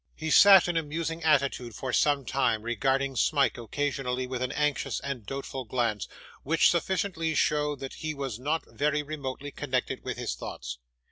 He sat, in a musing attitude, for some time, regarding Smike occasionally with an anxious and doubtful glance, which sufficiently showed that he was not very remotely connected with his thoughts.